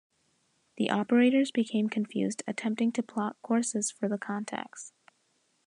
The operators became confused, attempting to plot courses for the contacts.